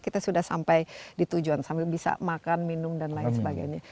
kita sudah sampai di tujuan sambil bisa makan minum dan lain sebagainya